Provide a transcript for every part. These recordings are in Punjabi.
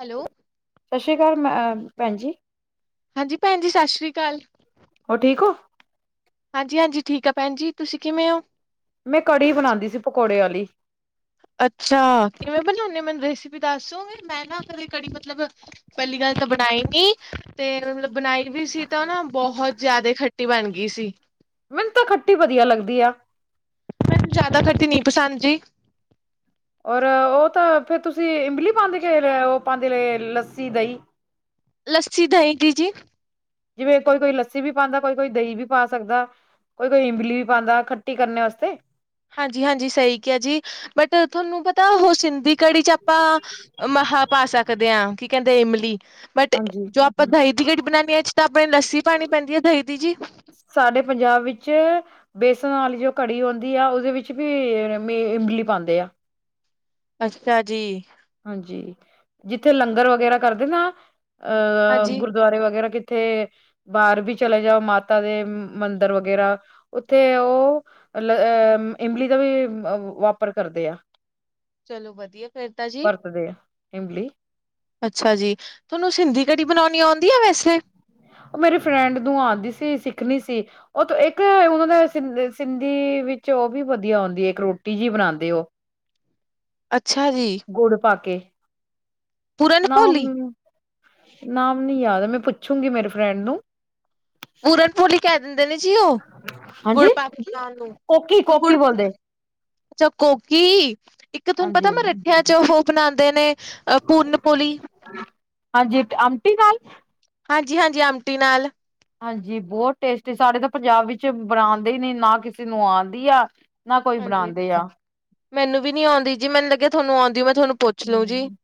ਹੈਲੋ? ਸਤਿ ਸ਼੍ਰੀ ਅਕਾਲ ਮੈਂ ਭੈਣ ਜੀ। ਹਾਂਜੀ, ਭੈਣ ਜੀ ਸਤਿ ਸ਼੍ਰੀ ਅਕਾਲ। ਹੋਰ ਠੀਕ ਔ? ਹਾਂਜੀ-ਹਾਂਜੀ, ਠੀਕ ਆ ਭੈਣ ਜੀ। ਤੁਸੀਂ ਕਿਵੇਂ ਹੋ? ਮੈਂ ਕੜੀ ਬਣਾਉਂਦੀ ਸੀ, ਪਕੌੜੇ ਵਾਲੀ ਅੱਛਾ, ਕਿਵੇਂ ਬਣਾਉਦੇ ਹੋ ਮੈਨੂੰ ਰੈਸਪੀ ਦੱਸ ਦੋ ਗੇ? ਮੈਂ ਨਾ ਕਦੇ ਕੜੀ ਮਤਲਬ ਪਹਿਲੀ ਗੱਲ ਤਾਂ ਬਣਾਈ ਨੀ, ਤੇ ਮਤਲਬ ਬਣਾਈ ਵੀ ਸੀ ਤਾਂ ਨਾ ਬਹੁਤ ਜਿਆਦਾ ਖੱਟੀ ਬਣ ਗਈ ਸੀ। ਮੈਨੂੰ ਤਾਂ ਖੱਟੀ ਵਧੀਆ ਲੱਗਦੀ ਆ। ਮੈਨੂੰ ਜ਼ਿਆਦਾ ਖੱਟੀ ਨਹੀਂ ਪਸੰਦ ਜੀ। ਔਰ ਉਹ ਤਾਂ ਫਿਰ ਤੁਸੀਂ ਇਮਲੀ ਪਾਉਂਦੇ ਕੇ ਉਹ ਪਾਉਂਦੇ ਲੱਸੀ, ਦਹੀਂ ਲੱਸੀ ਦਹੀਂ ਦੀ ਜੀ। ਜਿਵੇਂ ਕੋਈ, ਕੋਈ ਲੱਸੀ ਵੀ ਪਾਉਂਦਾ ਕੋਈ, ਕੋਈ ਦਹੀਂ ਵੀ ਪਾ ਸਕਦਾ। ਕੋਈ ਕੋਈ ਇਮਲੀ ਵੀ ਪਾਉਂਦਾ ਖੱਟੀ ਕਰਨ ਵਾਸਤੇ। ਹਾਂਜੀ, ਹਾਂਜੀ ਸਹੀ ਕਿਹਾ ਜੀ, ਬਟ ਤੁਹਾਨੂੰ ਪਤਾ ਉਹ ਸਿੰਧੀ ਕੜੀ ਚ ਆਪਾਂ ਆਹ ਪਾ ਸਕਦੇ ਹਾਂ, ਕੀ ਕਹਿੰਦੇ ਇਮਲੀ ਬਟ ਹਾਂਜੀ ਜੋ ਆਪਾਂ ਦਹੀਂ ਦੀ ਕੜੀ ਬਣਾਉਣੀ ਆੱ ਆਪਣੇ ਲੱਸੀ ਪਾਉਣੀ ਪੈਂਦੀ ਹੈ ਦਹੀਂ ਦੀ ਜੀ ਸਾਡੇ ਪੰਜਾਬ ਵਿੱਚ ਬੇਸਣ ਵਾਲੀ ਜੋ ਕੜੀ ਆਉਂਦੀ ਆ ਉਹਦੇ ਵਿੱਚ ਵੀ ਈ ਇਮਲੀ ਪਾਉਂਦੇ ਆ। ਅੱਛਾ ਜੀ। ਹਾਂਜੀ, ਜਿੱਥੇ ਲੰਗਰ ਵਗੈਰਾ ਕਰਦੇ ਨਾ, ਅਹ ਹਾਂਜੀ ਗੁਰਦੁਆਰੇ ਵਗੈਰਾ ਉਥੇ ਬਾਹਰ ਵੀ ਚਲੇ ਜਾਓ, ਮਾਤਾ ਦੇ ਮੰਦਿਰ ਵਗੈਰਾ ਉੱਥੇ ਉਹ, ਲ ਅਹ ਇਮਲੀ ਦਾ ਵੀ ਵਪਾਰ ਕਰਦੇ ਆ ਚਲੋ, ਵਧੀਆ ਫੇਰ ਤਾ ਜੀ ਵਧੀਆ ਇਮਲੀ ਅੱਛਾ ਜੀ, ਤੁਹਾਨੂੰ ਸਿੰਧੀ ਕੜੀ, ਬਣਾਉਣੀ ਆਉਂਦੀ ਹੈ ਵੈਸੇ ਉਹ ਮੇਰੀ ਫਰੈਂਡ ਨੂੰ ਆਉਂਦੀ ਸੀ। ਸਿੱਖਣੀ ਸੀ। ਉਹ ਤੇ ਇੱਕ ਉਹਨਾਂ ਦਾ ਸਿੰਧੀ ਵਿੱਚ, ਉਹ ਵੀ ਵਧੀਆ ਆਉਂਦੀ ਹੈ, ਇੱਕ ਰੋਟੀ ਜਿਹੀ ਬਣਾਉਂਦੇ ਉਹ ਅੱਛਾ ਜੀ। ਗੁੜ ਪਾ, ਕੇ ਪੂਰਨ ਨਾ ਭੋਲੀ ਨਾਮ ਨਈ ਯਾਦ, ਮੈਂ ਪੁੱਛੂੰਗੀ ਮੇਰੇ ਫਰੈਂਡ ਨੂੰ ਪੂਰਨਪੋਲੀ ਕਹਿ ਦਿੰਦੇ ਨੇ ਜੀ ਉਹ, ਗੁੜ ਹਾਂਜੀ ਪਾਕੇ ਬਨਾਨ ਨੂੰ ਕੋਕੀ ਕੋਕੀ ਗੁੜ ਬੋਲਦੇ ਅੱਛਾ ਕੋਕੀ, ਇੱਕ ਤੁਹਾਨੂੰ ਪਤਾ ਹਾਂਜੀ ਮੈਰੱਠਿਆਂ ਚ, ਉਹ ਬਣਾਉਂਦੇ ਨੇ ਅ ਪੂਰਨਪੋਲੀ ਹਾਂਜੀ, ਇੱਕ ਅਮਟੀ ਨਾਲ ਹਾਂਜੀ-ਹਾਂਜੀ ਆਮਟੀ ਨਾਲ ਹਾਂਜੀ, ਬਹੁਤ ਟੇਸਟੀ, ਸਾਡੇ ਤਾਂ ਪੰਜਾਬ ਵਿੱਚ ਬਣਾਉਂਦੇ ਹੀ ਨੀ, ਨਾ ਕਿਸੇ ਨੂੰ ਆਉਂਦੀ ਆ ਨਾ ਕੋਈ ਹਾਂਜੀ, ਬਣਾਉਂਦੇ ਆ ਮੈਨੂੰ ਵੀ ਨੀ ਆਉਂਦੀ, ਜੀ ਮੈਨੂੰ ਲੱਗਿਆ ਤੁਹਾਨੂੰ ਆਉਂਦੀ ਮੈਂ ਤੁਹਾਨੂੰ ਪੁੱਛ ਲਊ ਜੀ ਹਮ,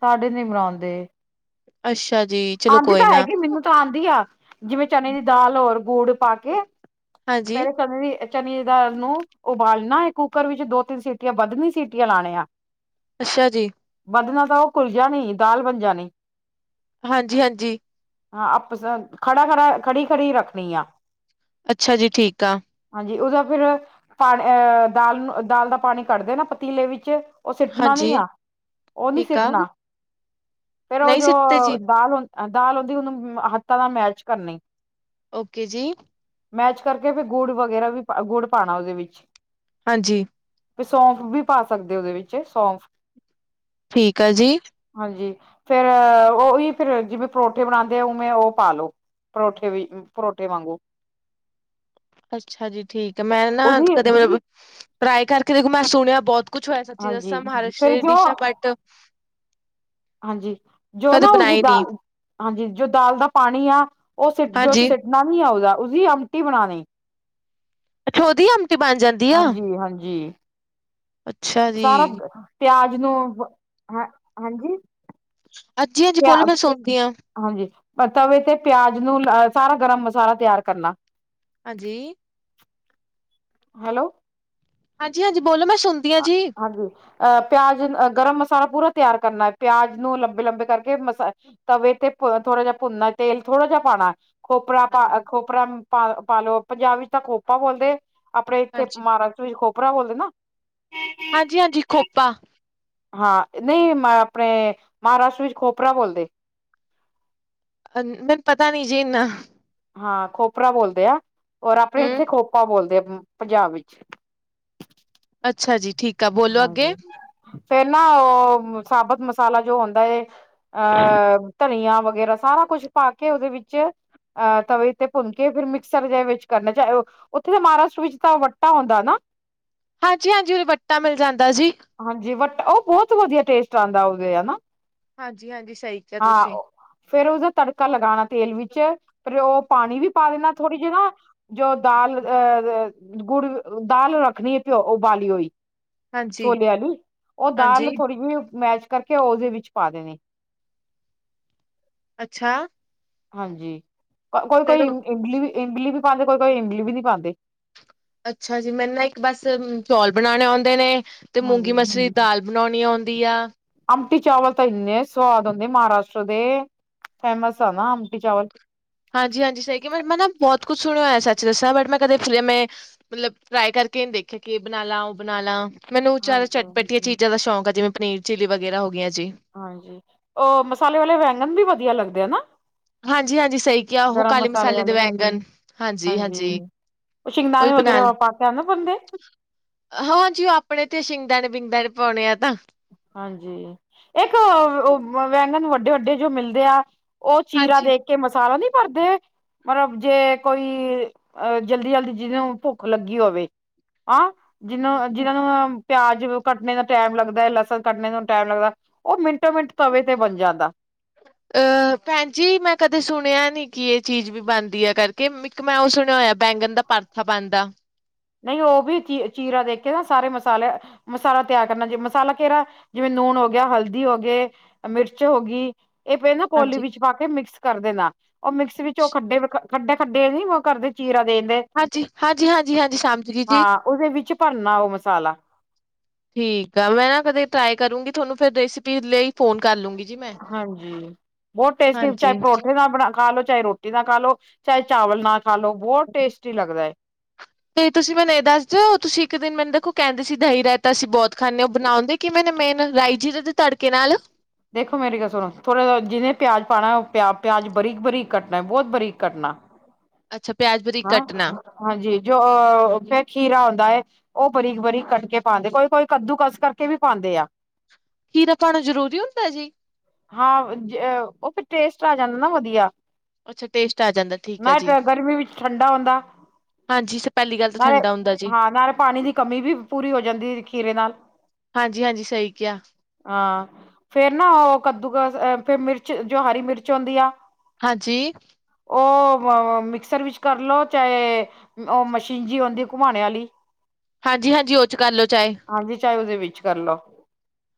ਸਾਡੇ ਨੀ ਬਣਾਉਂਦੇ ਅੱਛਾ ਜੀ। ਚਲੋ ਆਪਦੀ ਕੋਈ ਤਾਂ ਨਾ ਹੈਗੀ, ਮੈਨੂੰ ਤਾਂ ਆਉਂਦੀ ਆ, ਜਿਵੇਂ ਚਨੇ ਦੀ ਦਾਲ ਹੋਰ ਗੁੜ ਪਾ ਕੇ ਹਾਂਜੀ ਪਹਿਲੇ ਕਦੇ ਵੀ ਅ ਚਣੇ ਦੀ ਦਾਲ ਨੂੰ ਉਬਾਲਣਾ ਹੈ, ਕੁੂੱਕਰ ਵਿੱਚ ਦੋ- ਤਿੰਨ ਸੀਟੀਆਂ ਵੱਧਣੀ ਸੀਟੀਆਂ ਲਾਣੇ ਆ ਅੱਛਾ ਜੀ। ਵੱਧਣਾ ਤਾਂ, ਉਹ ਘੁਲ ਜਾਣੀ ਦਾਲ ਬਣ ਜਾਣੀ ਹਾਂਜੀ-ਹਾਂਜੀ। ਹਾਂ ਆਪ ਸਬ ਖੜਾ- ਖੜਾ, ਖੜੀ- ਖੜੀ ਰੱਖਣੀ ਆ ਅੱਛਾ ਜੀ, ਠੀਕ ਆ ਹਾਂਜੀ, ਉਹਦਾ ਫਿਰ ਅਹ ਦਾਲ ਦਾ ਪਾਣੀ ਕੱਡ ਦੇਨਾ, ਪਤੀਲੇ ਵਿੱਚ ਉਹ ਸਿੱਟਣਾ ਨਈ ਹਾਂਜੀ ਆ, ਉਹ ਨੀ ਠੀਕ ਆ ਸਿੱਟਣਾ ਫੇਰ ਉਹ ਨਹੀਂ ਜੋ ਸਿੱਤੇ ਜੀ ਦਾਲ ਹ ਦਾਲ ਔ, ਦੀ ਉਹਨੂੰ ਹੱਥਾਂ ਨਾਲ ਮੈਸ਼ ਕਰਨੀ ਓਕੇ ਜੀ। ਮੈਸ਼ ਕਰਕੇ, ਫਿਰ ਗੁੜ ਵਗੈਰਾ ਵੀ, ਗੁੜ ਪਾਉਣਾ ਉਹਦੇ ਵਿੱਚ ਹਾਂਜੀ ਸੌਂਫ ਵੀ, ਪਾ ਸਕਦੇ ਉਹਦੇ ਵਿੱਚ ਸੌਂਫ ਠੀਕ ਆ ਜੀ। ਹਾਂਜੀ, ਫੇਰ ਉਹੀ ਫੇਰ ਜਿਵੇਂ, ਪਰੌਠੇ ਬਣਾਉਂਦੇ ਆ, ਉਵੇਂ ਉਹ ਪਾਲੋ ਪਰੌਠੇ ਵਿਚ ਪਰੋਠੇ ਵਾਂਗੂ ਅੱਛਾ ਜੀ ਠੀਕ ਹੈ, ਮੈਂ ਨਾ ਉਹਦੀ ਕਦੇ ਮਤਲਬ ਟਰਾਈ ਕਰਕੇ, ਦੇਖੋ ਮੈਂ ਸੁਣਿਆ ਬਹੁਤ ਕੁਛ ਹੋਯਾ ਸੱਚੀ ਹਾਂਜੀ ਦਸਾਂ, ਹਮਾਰੇ ਫੇਰ ਸਰੀਰ ਜੋ ਡਿਸ਼ਾ ਬਟ ਹਾਂਜੀ, ਜੋ ਕਦੇ ਨਾ ਉਸਦੀ ਬਣਾਈ ਨੀ ਦਾਲ, ਹਾਂਜੀ ਜੋ ਦਾਲ ਦਾ ਪਾਣੀ ਆ, ਉਹ ਸਿਟ ਜੋ ਹਾਂਜੀ, ਸਿਟ ਨਵ ਨਈ ਆਉਂਗਾ, ਉਸਦੀ ਅਵਟੀ ਬਣਾਉਣੀ ਅਛਾ, ਔਦੀ ਆਮਟੀ ਬਣ ਜਾਂਦੀ ਆ ਹਾਂਜੀ -ਹਾਂਜੀ ਅੱਛਾ ਜੀ। ਸਾਰਾ, ਪਿਆਜ ਨੂੰ ਹ ਹਾਂਜੀ ਹਾਂਜੀ -ਹਾਂਜੀ ਪਿਆ ਬੋਲੋ ਮੈਂ ਸੁਣਦੀ ਹਾਂ ਹਾਂਜੀ ਤਵੇ ਤੇ ਪਿਆਜ ਨੂੰ, ਸਾਰਾ ਗਰਮ ਮਸਾਲਾ ਤਿਆਰ ਕਰਨਾ। ਹਾਂਜੀ। ਹੈਲੋ। ਹਾਂਜੀ-ਹਾਂਜੀ ਬੋਲੋ ਮੈਂ ਸੁ। ਆ ਹਾਂਜੀ। ਅ ਪਿਆਜ ਗਰਮ ਮਸਾਲਾ ਪੂਰਾ ਤਿਆਰ ਕਰਨਾ ਐ। ਪਿਆਜ ਨੂੰ ਲੰਬੇ ਲੰਬੇ ਕਰਕੇ ਮਸਾ। ਤਵੇ ਤੇ ਪ ਥੋੜ੍ਹਾ ਜਿਹਾ ਭੁੰਨਨਾ ਤੇਲ ਥੋੜਾ ਜਿਹਾ ਪਾਣਾ ਐ। ਖੋਪਰਾ ਪਾ ਖੋਪਰਾ ਪਾ ਪਾਲੋ ਪੰਜਾਬ ਵਿੱਚ ਤਾਂ ਖੋਪਾ ਬੋਲਦੇ ਆਪਣੇ ਇੱਥੇ ਮਾਹ। ਤੁਸੀ ਖੋਪਰਾ ਬੋਲਦੇ ਨਾ। ਹਾਂਜੀ ਹਾਂਜੀ ਖੋਪਾ। ਹਾਂ ਨਈ ਮੈਂ ਅਪਣੇ ਮਹਾਰਾਸ਼ਟਰ ਵਿੱਚ ਖੋਪਰਾ ਬੋਲਦੇ। ਮੈਨੂੰ ਪਤਾ ਨੀ ਜੀ ਏਨਾ। ਹਾਂ ਖੋਪਰਾ ਬੋਲਦੇ ਆ ਔਰ ਆਪਣੇ ਹੂੰ ਇੱਥੇ ਖੋਪਾ ਬੋਲਦੇ ਐ ਪੰਜਾਬ ਵਿੱਚ। ਅੱਛਾ ਜੀ ਠੀਕ। ਆ ਬੋਲੋ ਅੱਗੇ ਹਾਂਜੀ। ਫੇਰ ਨਾ ਓ ਸਾਬਤ ਮਸਾਲਾ ਜੋ ਹੁੰਦਾ ਏ। ਅ ਧਨੀਆ ਵਗੈਰਾ ਸਾਰਾ ਕੁਛ ਪਾ ਕੇ ਓਦੇ ਵਿੱਚ। ਅ ਤਵੇ ਤੇੇ ਭੁੰਨਕੇ ਫਿਰ ਮਿਕਸਰ ਜੇ ਵਿੱਚ ਕਰਨਾ ਚਾਹੇ। ਓਥੇ ਤੇ ਮਹਾਰਾਸ਼ਟਰ ਵਿੱਚ ਤਾਂ ਵੱਟਾ ਹੁੰਦਾ ਨਾ। ਹਾਂਜੀ ਹਾਂਜੀ ਓਦੇ ਵੱਟਾ ਮਿਲ ਜਾਂਦਾ ਜੀ। ਹਾਂਜੀ ਵਟ ਓ ਬੋਹਤ ਵਧੀਆ ਟੇਸਟ ਆਂਦਾ ਓਦੇ ਹਨਾ। ਹਾਂਜੀ ਹਾਂਜੀ ਸਹੀ ਕਿਹਾ ਹਾਂ ਤੁਸੀ। ਫੇਰ ਉਸਦਾ ਤੜਕਾ ਲਗਾਣਾ ਤੇਲ ਵਿੱਚ। ਫਿਰ ਓ ਪਾਣੀ ਵੀ ਪਾ ਦੇਣਾ ਥੋੜ੍ਹੀ ਜਿ ਨਾ। ਜੋ ਦਾਲ ਅ ਗੁੜ ਦਾਲ ਰੱਖਣੀ ਏ ਪਿਓ ਓ ਬਾਲੀ ਹੋਈ। ਹਾਂਜੀ-ਹਾਂਜੀ ਛੋਲੇਆ ਦੀ। ਓ ਦਾਲ ਥੋੜੀ ਜਿਹੀ ਮੈਸ਼ ਕਰਕੇ ਓਦੇ ਵਿੱਚ ਪਾ ਦੇਣੀ। ਅੱਛਾ। ਹਾਂਜੀ। ਕੋਈ ਕੋਈ ਚਲੋ ਇਮਲੀ ਵੀ ਇਮਲੀ ਵੀ ਪਾਂਦੇ ਕੋਈ ਕੋਈ ਇਮਲੀ ਵੀ ਨੀ ਪਾਂਦੇ। ਅੱਛਾ ਜੀ। ਮੈਨੂੰ ਨਾ ਇੱਕ ਬਸ ਚੌਲ ਬਣਾਉਣੇ ਆਉਂਦੇ ਨੇ ਤੇ ਮੂੰਗੀ ਹਾਂਜੀ। ਮਸਰੀ। ਦਾਲ ਬਣਾਉਣੀ ਆਉਂਦੀ ਆ। ਅਮਟੀ ਚਾਵਲ ਤਾਂ ਇਨੇ ਸੋਆਦ ਹੁੰਦੇ ਮਹਾਰਾਸ਼ਟਰ ਦੇ ਫੇਮਸ ਆ ਨਾ ਅਮਟੀ ਚਾਵਲ। ਹਾਂਜੀ ਹਾਂਜੀ ਸਹੀ ਕਿਹਾ ਮੈਂ ਮੈਂ ਨਾ ਬੋਤ ਕੁਛ ਸੁਣਿਆ ਹੋਇਆ ਸੱਚ ਦੱਸਾਂ ਬਟ ਮੈਂ ਕਦੇ ਮੇਂ। ਮਤਲਬ ਟਰਾਈ ਕਰਕੇ ਨੀ ਦੇਖਿਆ ਕਿ ਏਹ ਬਣਾ ਲਾ ਓ ਬਣਾ ਲਾ। ਮੈਨੂੰ ਚਾਰਾ ਹਾਂਜੀ। ਚਟਪੱਟੀਆਂ ਚੀਜ਼ਾਂ ਦਾ ਸ਼ੌਂਕ ਆ ਜਿਵੇਂ ਪਨੀਰ ਚਿੱਲੀ ਵਗੈਰਾ ਹੋ ਗੀਆਂ ਜੇ। ਹਾਂਜੀ। ਓ ਮਸਾਲੇ ਵਾਲੇ ਵੈਗਨ ਵੀ ਵਧੀਆ ਲੱਗਦੇ ਆ ਨਾ। ਹਾਂਜੀ ਹਾਂਜੀ ਸਹੀ ਕਿਹਾ ਔ ਗਰਮ ਕਾਲੇ ਮਸਾਲੇ ਦੇ ਵਾਲੇ ਵੈਗਣ। ਹਾਂਜੀ ਹਾਂਜੀ। ਸ਼ਿੰਗਦਾਣੇ ਉਹੀ ਬਣਾ ਵਗਰੇਰਾ ਲ ਵ ਪਾ ਕੇਆ ਨਾ ਬੰਦੇ। ਹਾਂਜੀ ਓ ਅਪਣੇ ਤੇ ਸ਼ਿੰਗਦਾਨੇ ਬਿੰਗਦਾਨੇ ਪਾਉਣੇ ਆ ਤਾਂ। ਹਾਂਜੀ। ਏਕ ਵੈਂਗਨ ਵੱਡੇ ਵੱਡੇ ਜੋ ਮਿਲਦੇ ਆ। ਓ ਚੀਰਾ ਹਾਂਜੀ ਦੇ ਕੇ ਮਸਾਲਾ ਨੀ ਭਰਦੇ। ਮਤਲਬ ਜੇ ਕੋਈ ਅ ਜਲਦੀ ਜਲਦੀ ਜਿਹਨੂੰ ਭੁੱਖ ਲੱਗੀ ਹੋਵੇ। ਆਂ ਜਿਹਨੂੰ ਜਿਹਨਾਂ ਨੂੰ ਪਿਆਜ ਕੱਟਣੇ ਦਾ ਟੈਮ ਲੱਗਦਾ ਐ। ਲਸ। ਨਾ ਕੱਟਨੇ ਨੂੰ ਟੈਮ ਲੱਗਦਾ ਓ ਮਿੰਟੋ ਮਿੰਟ ਤਵੇ ਤੇ ਬਣ ਜਾਂਦਾ। ਅ ਭੈਣ ਜੀ ਮੈਂ ਕਦੇ ਸੁਣਿਆ ਨੀ ਕਿ ਏ ਚੀਜ਼ ਵੀ ਬਣਦੀ ਹੈ ਕਰਕੇ ਇੱਕ ਮੈਂ ਓ ਸੁਣਿਆ ਹੋਇਆ। ਬੈਂਗਣ ਦਾ ਪਰਥਾ ਬਣਦਾ। ਨਹੀਂ ਓ ਵੀ ਚੀ ਚੀਰਾ ਦੇ ਕੇ ਨਾ ਸਾਰੇ ਮਸਾਲੇ। ਮਸਾਲਾ ਤਿਆਰ ਕਰਨਾ ਜੇ ਮਸਾਲਾ ਕਿਹਰਾ ਜਿਵੇਂ ਨੂਣ ਹੋ ਗਿਆ ਹਲਦੀ ਹੋ ਗੇ ਮਿਰਚ ਹੋਗੀ। ਇਹ ਪਏ ਨਾ ਕੋਲੀ ਵਿੱਚ ਪਾ ਕੇ ਮਿਕਸ ਕਰ ਦੇਣਾ। ਓ ਮਿਕਸ ਵਿੱਚ ਓ ਖੱਡੇ ਖੱਡੇ ਖੱਡੇ ਨੀ ਕਰਦੇ ਚੀਰਾ ਦੇਣਦੇ। ਹਾਂਜੀ -ਹਾਂਜੀ, ਹਾਂਜੀ -ਹਾਂਜੀ ਸ਼ਾਮ ਹਾਂ ਓਹਦੇ ਵਿੱਚ ਭਰਨਾ ਔ ਮਸਾਲਾ। ਠੀਕ ਆ। ਮੈਂ ਨਾ ਕਦੇ ਟਰਾਈ ਕਰੂੰਗੀ ਤੁਹਾਨੂੰ ਫਿਰ ਰੈਸਪੀ ਲਈ ਫੋਨ ਕਰ ਲੂੰਗੀ ਜੀ ਮੈਂ। ਹਾਂਜੀ ਬੋਤ ਟੇਸਟੀ ਚਾਹੇ ਪਰੌਠੇ ਨਾਲ ਬਣਾ ਖਾ ਲੋ ਚਾਹੇ ਰੋ ਟੀ ਨਾਲ ਖਾਲੋ ਚਾਹੇ ਚਾਵਲ ਨਾ ਖਾ ਲੋ ਬੋਤ ਟੇਸਟੀ ਲੱਗਦਾ ਏ। ਤੇ ਤੁਸੀਂ ਮੈਨੂੰ ਇਹ ਦੱਸ ਜੋ ਤੁਸੀ ਇੱਕ ਦਿਨ ਮੈਨੂੰ ਦੇਖੋ ਕਹਿੰਦੇ ਸੀ ਦਹੀ ਰਾਇਤਾ ਅਸੀ ਬੋਤ ਖਾਂਨੇ ਆਂ ਓ ਬਣਾਉਣਦੇ ਕਿਵੇ ਨੇ ਮੇਨ ਰਾਈ ਜੀ ਦੇ ਤੜਕੇ ਨਾਲ ਦੇਖੋ ਮੇਰੀ ਗੱਲ ਸੁਣੋ ਥੋੜਾ ਜ ਜਿਨੇ ਪਿਆ ਪਾਉਣਾ, ਉਹ ਪਿਆ ਪਿਆਜ ਬਰੀਕ ਬਰੀਕ ਕੱਟਣਾ ਬਹੁਤ ਬਾਰੀਕ ਕੱਟਣਾ। ਅੱਛਾ ਪਿਆਜ ਬਰੀਕ ਹਾਂ ਕੱਟਣਾ। ਹਾਂਜੀ ਜੋ ਅਹ ਫਿਰ ਖੀਰਾ ਹੁੰਦਾ ਹੈ। ਉਹ ਬਰੀਕ ਬਰੀਕ ਕੱਟ ਕੇ ਪਾਉਂਦੇ ਕੋਈ ਕੋਈ ਕੱਦੂ ਕਸ ਕਰਕੇ ਵੀ ਪਾਉਂਦੇ ਆ। ਖੀਰਾ ਪਾਉਣਾ ਜਰੂਰੀ ਹੁੰਦਾ ਜੀ। ਹਾਂ, ਉਹ ਫਿਰ ਟੇਸਟ ਆ ਜਾਂਦਾ ਨਾ ਵਧੀਆ। ਅੱਛਾ ਟੇਸਟ ਆ ਜਾਂਦਾ ਠੀਕ ਆ ਨਾ ਜੀ। ਗਰਮੀ ਵਿੱਚ ਠੰਡਾ ਹੁੰਦਾ। ਹਾਂਜੀ ਸਰ ਪਹਿਲੀ ਗੱਲ ਤਾਂ ਨਾਲੇ, ਠੰਡਾ ਹੁੰਦਾ ਜੀ ਹਾਂ ਨਾਲੇ ਪਾਣੀ ਦੀ ਕਮੀ ਵੀ ਪੂਰੀ, ਹੋ ਜਾਂਦੀ ਖੀਰੇ ਨਾਲ ਹਾਂਜੀ ਹਾਂਜੀ ਸਹੀ ਕਿਹਾ। ਹਾਂ ਫੇਰ ਨਾ ਉਹ ਕੱਦੂ ਕਸ ਫਿਰ ਮਿਰਚ ਜੋ ਹਰੀ ਮਿਰਚ ਆਉਂਦੀ ਆ। ਹਾਂਜੀ ਉਹ ਮਿਕਸਰ ਵਿੱਚ ਕਰ ਲਓ ਚਾਹੇ ਉਹ ਮਸੀਨ ਜੀ ਆਉਂਦੀ ਘੁਮਾਣੇ ਵਾਲੀ। ਹਾਂਜੀ, ਹਾਂਜੀ ਉਹ ਚ ਕਰ ਲਓ ਚਾਹੇ। ਹਾਂਜੀ ਚਾਹੇ ਉਹਦੇ ਵਿੱਚ ਕਰ ਲਓ,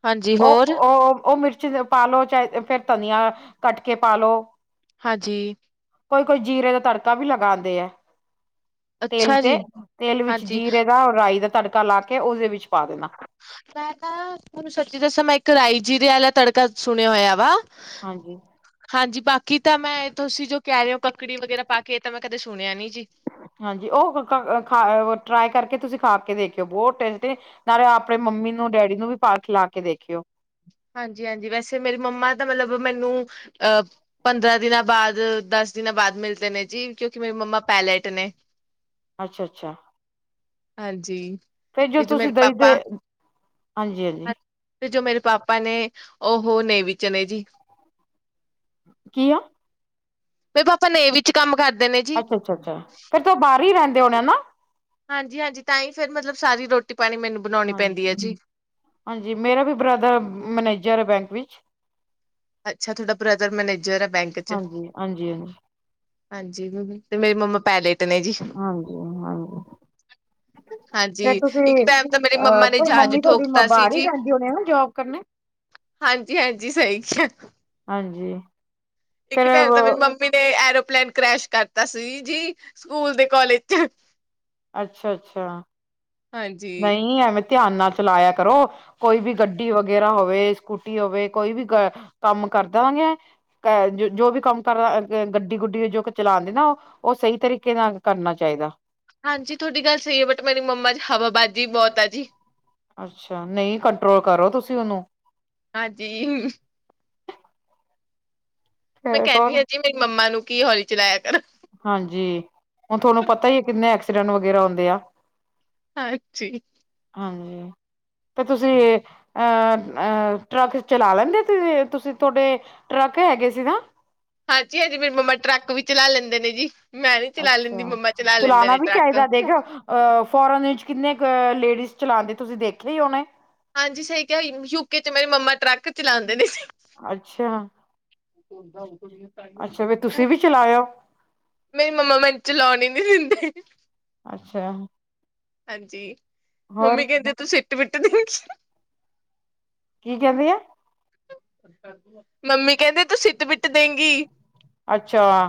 ਹਾਂਜੀ ਉਹ ਹੋਰ ਉਹ ਉਹ ਮਿਰਚ ਦੇ ਪਾ ਲੋ ਚਾਹੇ ਫਿਰ ਧਨੀਆ ਕੱਟ ਕੇ ਪਾ ਲਓ। ਹਾਂਜੀ ਕੋਈ ਕੋਈ ਜੀਰੇ ਦਾ ਤੜਕਾ ਵੀ ਲਗਾਉਂਦੇ ਆ ਤੇਲ ਅੱਛਾ ਤੇ ਜੀ ਤੇਲ ਵਿੱਚ ਹਾਂਜੀ ਜੀਰੇ ਦਾ ਔਰ ਰਾਈ ਦਾ ਤੜਕਾ ਲਾ ਕੇ ਉਸਦੇ ਵਿੱਚ ਪਾ ਦੇਣਾ। ਮੈਂਨੂੰ ਤਾਂ ਥੋਨੂੰ ਸੱਚੀ ਦੱਸਾ ਮੈਂ ਇੱਕ ਰਾਈ ਜੀਰੇ ਵਾਲਾ ਤੜਕਾ ਸੁਣਿਆ ਹੋਇਆ ਵਾ। ਹਾਂਜੀ ਹਾਂਜੀ ਬਾਕੀ ਤਾਂ ਮੈਂ ਤੁਸੀਂ ਜੋ ਕਹਿ ਰਹੇ ਹੋ, ਕੱਕੜੀ ਵਗੈਰਾ ਪਾ ਕੇ ਇਹ ਤਾਂ ਮੈਂ ਕਦੇ ਸੁਣਿਆ ਨੀ ਜੀ। ਹਾਂਜੀ ਉਹ ਖਾ ਟਰਾਈ ਕਰਕੇ ਤੁਸੀਂ ਖਾ ਕੇ ਦੇਖਿਓ ਬਹੁਤ ਟੇਸਟੀ ਨਾਲੇ ਆਪਣੇ ਮੰਮੀ ਨੂੰ ਡੈਡੀ ਨੂੰ ਵੀ ਪਾ ਖਿਲਾ ਕੇ ਦੇਖਿਓ ਹਾਂਜੀ ਹਾਂਜੀ ਵੈਸੇ ਮੇਰੀ ਮੰਮਾ ਤਾਂ ਮਤਲਬ ਮੈਨੂੰ ਅ ਪੰਦਰਾਂ ਦਿਨਾਂ ਬਾਅਦ ਦਸ ਦਿਨਾਂ ਬਾਅਦ ਮਿਲਦੇ ਨੇ ਜੀ, ਕਿਉਂਕਿ ਮੇਰੀ ਮੰਮਾ ਪੈਲੇਟ ਨੇ। ਅੱਛਾ ਅੱਛਾ ਹਾਂਜੀ ਫਿਰ ਜੋ ਤੇ ਤੁਸੀਂ ਮੇਰੇ ਦਈ ਦੇ ਪਾਪਾ ਹਾਂਜੀ -ਹਾਂਜੀ। ਤੇ ਜੋ ਮੇਰੇ ਪਾਪਾ ਨੇ ਉਹ ਨੇਵੀ ਚ ਨੇ ਜੀ। ਕੀ ਆ? ਮੇਰੇ ਪਾਪਾ ਨੇਵੀ ਚ ਕੰਮ ਕਰਦੇ ਨੇ ਜੀ। ਅੱਛਾ ਅੱਛਾ, ਅੱਛਾ ਫਿਰ ਤਾ ਉਹ ਬਾਹਰ ਹੀ ਰਹਿੰਦੇ ਹੋਣੇ ਨਾ। ਹਾਂਜੀ, ਹਾਂਜੀ ਤਾਂ ਹੀ ਫੇਰ ਮਤਲਬ ਸਾਰੀ ਰੋਟੀ ਪਾਣੀ ਮੈਨੂੰ। ਬਣਾਉਣੀ ਪੈਂਦੀ ਹੈ ਹਾਂਜੀ, ਜੀ। ਹਾਂਜੀ ਮੇਰਾ ਵੀ ਬ੍ਰਦਰ ਮੈਨੇਜਰ ਹੈ ਬੈਂਕ ਵਿਚ ਅੱਛਾ, ਤੁਥਹਾਡਾ ਬ੍ਰਦਰ ਮੈਨੇਜਰ ਹੈ ਬੈਂਕ 'ਚ ਹਾਂਜੀ ਹਾਂਜੀ ਹਾਂਜੀ ਹਾਂਜੀ, ਤੇ ਮੇਰੀ ਮੰਮਾ ਪੈਲੇਟ ਨੇ ਜੀ ਹਾਂਜੀ- ਹਾਂਜੀ [inaudible] ਫੇਰ ਹਾਂਜੀ, ਤੁਸੀਂ ਇੱਕ ਟਾਈਮ ਤਾਂ ਮੇਰੀ ਅਹ ਮੰਮਾ ਨੇ ਪਰ ਜਹਾਜ਼ ਮੰਮੀ ਤੁਹਾਡੀ ਠੋਕਤਾ ਸੀ ਬਾਹਰ ਹੀ ਜੀ ਰਹਿੰਦੀ ਹੋਣੀ ਨਾ ਜੋਬ ਕਰਨੇ ਹਾਂਜੀ- ਹਾਂਜੀ ਸਹੀ ਕਿਹਾ ਹਾਂਜੀ ਇੱਕ ਫੇਰ ਟਾਈਮ ਤਾਂ ਮੇਰੀ ਮੰਮੀ ਨੇ ਐਰੋਪਲੇਨ ਕਰੈਸ਼ ਕਰਤਾ ਸੀ ਜੀ, ਸਕੂਲ ਦੇ ਕੋਲਜ 'ਚ। ਅੱਛਾ- ਅੱਛਾ ਹਾਂਜੀ। ਨਹੀਂ, ਐਵੇਂ ਧਿਆਨ ਨਾਲ ਚਲਾਇਆ ਕਰੋ ਕੋਈ ਵੀ ਗੱਡੀ ਵਗੈਰਾ ਹੋਵੇ, ਸਕੂਟੀ ਹੋਵੇ, ਕੋਈ ਵੀ ਕੰਮ ਕਰਦਾਂਗੇ ਕਹਿ, ਜੋ ਵੀ ਕੰਮ ਕਰਦਾ ਗੱਡੀ ਗੁੱਡੀ ਜੋ ਚਲਾਂਦੀ ਨਾ ਉਹ ਉਹ ਸਹੀ ਤਰੀਕੇ ਨਾਲ ਕਰਨਾ ਚਾਹੀਦਾ ਹਾਂਜੀ, ਤੁਹਾਡੀ ਗੱਲ ਸਹੀ ਹੈ, ਬਟ ਮੇਰੀ ਮੰਮਾ 'ਚ ਹਵਾਬਾਜੀ ਬਹੁਤ ਆ ਜੀ ਅੱਛਾ, ਨਹੀਂ ਕੰਟਰੋਲ ਕਰੋ ਤੁਸੀਂ ਉਹਨੂੰ ਹਾਂਜੀ। ਮੈਂ ਫੇਰ ਕਹਿਨੀ ਹੋਰ ਹਾ ਜੀ ਮੇਰੀ ਮੰਮਾ ਨੂੰ, ਕੀ ਹੌਲੀ ਚਲਾਇਆ ਕਰੋ। ਹਾਂਜੀ, ਹੁਣ ਤੁਹਾਨੂੰ ਪਤਾ ਹੀ ਕਿੰਨੇ ਐਕਸੀਡੈਂਟ ਵਗੈਰਾ ਹੁੰਦੇ ਆ। ਹਾਂਜੀ। ਹਾਂਜੀ, ਤੇ ਤੁਸੀਂ ਅਹ, ਅਹ ਟਰੱਕ ਚਲਾ ਲੈਂਦੇ ਤੁਸੀ, ਤੁਸੀਂ ਤੁਹਾਡੇ ਟਰੱਕ ਹੈਗੇ ਸੀ ਨਾ। ਹਾਂਜੀ, ਹਾਂਜੀੇ ਮੇਰੀ ਮੰਮਾ ਟਰੱਕ ਵੀ ਚਲਾ ਲੈਂਦੇ ਨੇ ਜੀ। ਮੈਂ ਵੀ ਚਲਾ ਲੈਂਦੀ, ਅੱਛਾ ਮੰਮਾ ਚਲਾ ਲੈਂਦੇ ਚਲਾਉਣਾ ਨੇ ਵੀ ਟਰੱਕ। ਚਾਹੀਦਾ ਦੇਖਿਓ ਅ, ਫੋਂਰਨ ਇਚ ਕਿੰਨੀ ਕੁ ਲੇਡੀਜ਼ ਚਲਉਦੀ ਤੁਸੀਂ ਦੇਖਿਆ ਹੀ ਹੋਣਾ। ਹਾਂਜੀ ਸਹੀ ਕਿਹਾ, ਯੂਕੇ 'ਚ ਮੇਰੀ ਮੰਮਾ ਟਰੱਕ ਚਲਾਉਂਦੇ ਨੇ ਜੀ। ਅੱਛਾ। ਦਾ ਉਹ ਵੀ ਅੱਛਾ ਵੀ ਤੁਸੀਂ ਵੀ [unintelligible] ਚਲਾਇਓ ਨਹੀ, ਮੰਮਾ ਮੈਨੂੰ ਚਲਾਾਉਣ ਈ ਨੀ ਦਿੰਦੇ। ਅੱਛਾ। ਹਾਂਜੀ, ਹੋਰ ਮੰਮੀ ਕਹਿੰਦੇ ਤੂੰ ਸਿੱਟ ਬਿੱਟ ਦੇਊਗੀ। ਕੀ ਕਹਿੰਦੀ ਏ। ਮੰਮੀ ਕਹਿੰਦੇ ਤੂੰ ਸਿੱਟ ਬਿੱਟ ਦੇਂਗੀ। ਅੱਛਾ,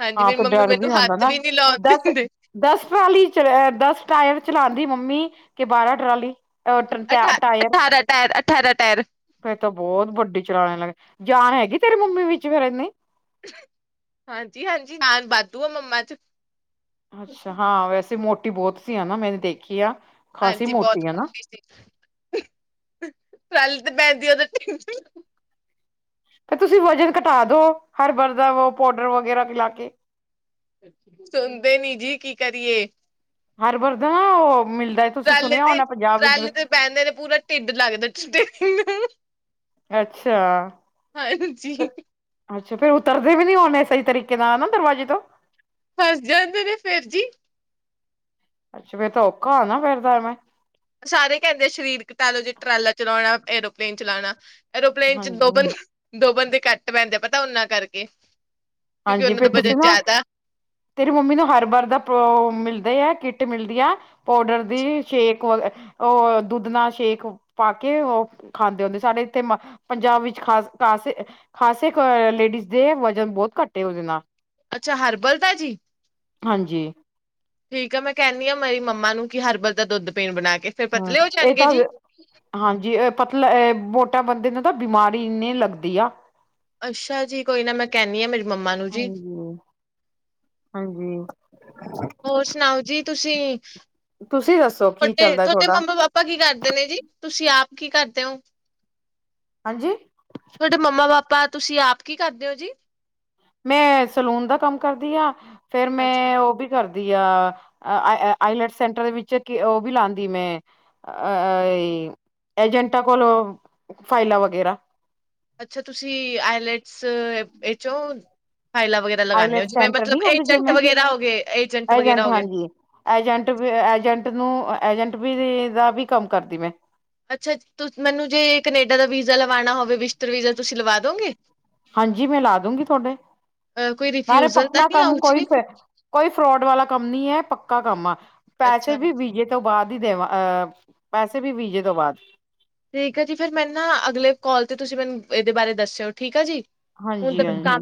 ਹਾਂਜੀ ਹਾਂ ਮੇਰੀ ਤੇ ਮੰਮੀ ਡਰ ਵੀ ਮੈਨੂੰ ਆਉਂਦਾ ਹੱਥ ਨਾ, ਵੀ ਨੀ ਲਾਉਣ ਦੱਸ ਦਿੰਦੇ ਦਸ ਟਰਾਲੀ 'ਚ ਦਸ ਟਾਇਰ ਚਲਾਉਂਦੀ ਮੰਮੀ, ਕਿ ਬਾਰਾਂ ਟਰਾਲੀ ਅ ਅਠ ਅਠਾਰਾਂ ਟਾਇਰ, ਅਠਾਰਾਂ ਟਾਇਰ। ਫਿਰ ਤਾਂ ਬਹੁਤ ਵੱਡੀ ਚਲਾਣ ਲੱਗ, ਜਾਨ ਹੈਗੀ ਤੇਰੀ ਮੰਮੀ ਵਿੱਚ ਫਿਰ ਏਨੀ। ਹਾਂਜੀ, ਹਾਂਜੀ ਜਾਨ ਬਾਧੂ ਆ ਮੰਮਾ 'ਚ। ਅੱਛਾ, ਹਾਂ ਵੈਸੇ ਮੋਟੀ ਬਹੁਤ ਸੀ ਹੈਨਾ ਮੈਨੇ ਦੇਖੀ ਆ। ਖਾਸੀ ਹਾਂਜੀ ਬਹੁਤ ਹੈ ਨਾ ਮੋਟੀ ਸੀ, ਟਵੈਲਥ ਬੈਂਦੀ ਉਹਦੇ ਤੇ ਤੁਸੀਂ ਵਜ਼ਨ ਘਟਾ ਦੋ, ਹਰਥਲ ਦਾ ਵੋ ਪੋਡਰ ਵਗੈਰਾ ਪਿਲਾ ਕੇ। ਸੁਣਦੇ ਨੀ ਜੀ, ਕੀ ਕਰੀਏ? ਹਰਵਰ ਦਾ, ਮਿਲਦਾ। ਤੁਸੀਂ ਟਰਾਲੇ ਸੁਣਿਆ ਤੇ, ਹੋਣਾ ਪੰਜਾਬ ਵਿੱਚ ਵੀ ਟਰਾਲੇ ਤੇ ਬਹਿੰਦੇ ਨੇ ਪੂਰਾ ਢਿੱਡ ਲੱਗਦਾ। ਅੱਛਾ। ਹਾਂਜੀ। ਫਿਰ- ਅੱਛਾ, ਤੇ ਉਤਰਦੇ ਵੀ ਨੀ ਹੋਣੇ ਸਈ ਤਰੀਕੇ ਨਾਲ ਨਾ, ਦਰਵਾਜ਼ੇ ਤੋਂ। ਫੱਸ ਜਾਂਦੇ ਨੇ ਫੇਰ ਜੀ। ਅੱਛਾ ਫੇਰ ਤਾਂ ਓਖਾ ਹੋਨਾ ਫੇਰ ਤਾਂ ਐਵੇਂ। ਸਾਰੇ ਕੈਂਦੇ ਸ਼ਰੀਰ ਘਟਾ ਲੋ ਜੇ ਟਰਾਲਾ ਚਲੌਣਾ, ਏਰੋਪਲੇਨ ਚਲਾਣਾ ਐਰੋਪਲੇਨ 'ਚ ਦੋ ਹਾਂਜੀ ਬੰਦ, ਦੋ ਬੰਦੇ ਘੱਟ ਬੈਂਦੇ ਆ ਪਤੈ ਓਨਾਂ ਕਰਕੇ। ਕਿਉਂਕਿ ਹਾਂਜੀ ਉਹਨਾਂ ਦਾ ਫੇਰ ਤੁਸੀ ਵਜਨ ਨਾ ਜ਼ਿਆਦਾ ਤੇਰੀ ਮੰਮੀ ਨਾ ਹਰਬਾਰ ਦਾ ਪੋ ਮਿਲਦੇ ਐ ਕਿੱਟ ਮਿਲਦੀ ਐ ਪੋਡਰ ਦੀ, ਸ਼ੇਕ ਕੋਲ ਅ ਓ ਦੁੱਧ ਨਾਲ ਸ਼ੇਕ ਪਾ ਕੇ ਓ ਖਾਂਦੇ ਹੁੰਦੇ ਸਾਡੇ ਇੱਥੇ ਮਾ ਪੰਜਾਬ ਵਿੱਚ ਖਾਸ, ਕਾਸ ਖਾਸ ਏੱਕ ਲੇਡੀਜ਼ ਦੇ ਵਜਨ ਬੋਤ ਘੱਟ ਏ ਓਦੇ ਨਾਲ। ਅੱਛਾ ਹਰਬਲ ਦਾ ਜੀ। ਹਾਂਜੀ। ਠੀਕ ਆ, ਮੈਂ ਕੈਂਨੀ ਆਂ ਮੇਰੀ ਮੰਮਾ ਨੂੰ ਕਿ ਹਰਬਲ ਦਾ ਦੁੱਧ ਪੀਣ ਬਣਾ ਕੇ। ਫਿਰ ਹਾਂ, ਪਤਲੇ ਹੋ ਏ ਜਾਣਗੇ ਕੱਦ ਜੀ ਹਾਂਜੀ, ਏ ਪਤਲਾ ਏ ਮੋਟਾ ਬੰਦੇ ਨੂੰ ਤਾਂ ਬਿਮਾਰੀ ਇੰਨੀ ਲੱਗਦੀ ਆ ਅੱਸ਼ਾ ਜੀ, ਕੋਈ ਨਾ ਮੈਂ ਕੈਂਨੀ ਆਂ ਮੇਰੀ ਮੰਮਾ ਨੂੰ ਜੀ। ਹਾਂਜੀ ਹਾਂਜੀ। ਹੋਰ ਸੁਣਾਓ ਜੀ ਤੁਸੀ? ਤੁਸੀ ਦੱਸੋ ਕੀ ਚੱਲਦੈ ਤੁਆਡਾ? ਤਾ ਕੀ ਕਰਦੇ ਨੇ ਜੀ? ਤੁਸੀ ਆਪ ਕੀ ਕਰਦੇ ਓ? ਹਾਂਜੀ। ਤੁਆਡੇ ਮੰਮਾ ਪਾਪਾ ਤੁਸੀ ਆਪ ਕੀ ਕਰਦੇ ਓ ਜੀ? ਮੈਂ ਸਲੂਨ ਦਾ ਕੰਮ ਕਰਦੀ ਆਂ, ਫ਼ੇਰ ਹਾਂਜੀ ਮੈਂ ਓ ਵੀ ਕਰਦੀ ਆ, ਅ, ਆ ਆਈਲੈਟ ਸੈਂਟਰ ਦੇ ਵਿੱਚ ਕੀ ਓ ਵੀ ਲਾਂਦੀ ਮੈਂ ਅ ਅ ਈ ਏਜੰਟਾ ਕੋਲੋਂ ਫਾਈਲਾਂ ਵਗੈਰਾ ਅੱਛਾ ਤੁਸੀ ਆਈਲੈਟਸ ਏੱਚ ਓ ਫਾਈਲਾਂ ਵਗੈਰਾ ਦਾ ਲਗਾਨੇ ਆਂ ਆਈਲੈਟ ਜਿਵੇਂ ਸੈਂਟਰ ਨੀ ਮਤਲਬ ਹੁੰਦੇ ਜੋ ਏਜੰਟ ਮੈਂ ਵਗੈਰਾ ਹੋ ਗੇ, ਏਜੰਟ ਵਗੈਰਾ ਹੋ ਗੇ ਐਜੰਟ ਵੀ ਐਜੰਟ ਨੂੰ ਐਜੰਟ ਵੀ ਵੀ ਦਾ ਵੀ ਕੰਮ ਕਰਦੀ ਮੈਂ ਅੱਛਾ ਤੁਸ ਮੈਨੂੰ ਜੇ ਕਨੇਡਾ ਦਾ ਵੀਜ਼ਾ ਲਵਾਣਾ ਹੋਵੇ ਵਿਸ਼ਟਰ ਵੀਜ਼ਾ ਤੁਸੀ ਲਵਾ ਦੋਂਗੇ? ਹਾਂਜੀ ਮੈਂ ਲਾ ਦੂਗੀ ਥੂਆਡੇ, ਅ ਕੋਈ ਨਾਲੇ ਰਿਫਿਊਜਲ ਤਾਂ ਪੱਕਾ ਨਹੀਂ ਕੰਮ ਆਊ ਕੋਈ ਜੀ ਫੇਰ ਕੋਈ ਫਰੋਡ ਵਾਲਾ ਕੰਮ ਨੀ ਹੈ। ਪੱਕਾ ਕੰਮ ਆ, ਪੈਸੇ ਅੱਛਾ ਵੀ ਵੀਜੇ ਤੋਂ ਬਾਦ ਹੀ ਦੇਵਾਂ ਅ ਪੈਸੇ ਵੀ ਵੀਜੇ ਤੋਂ ਬਾਦ ਠੀਕ ਅ ਜੀ ਫਿਰ ਮੇਨੰ ਨਾ ਅਗਲੇ ਕੋਲ ਤੇ ਤੁਸੀ ਮੈਨੂੰ ਏਦੇ ਬਾਰੇ ਦੱਸੇਓ ਠੀਕ ਆ ਜੀ। ਹੁਣ ਤਾਂ ਮੈਨੂੰ ਕੰਮ ਹਾਂਜੀ-ਹਾਂਜੀ।